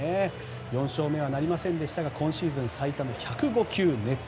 ４勝目はなりませんでしたが今シーズン最多の１０５球。